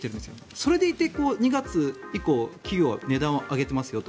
それでいて２月以降企業は値段を上げていますよと。